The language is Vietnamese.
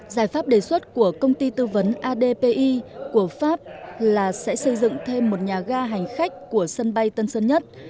giải pháp đề xuất của công ty tư vấn adpi của pháp là sẽ xây dựng thêm một nhà ga hành khách của sân bay tân sơn nhất